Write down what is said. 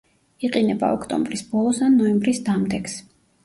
იყინება ოქტომბრის ბოლოს ან ნოემბრის დამდეგს.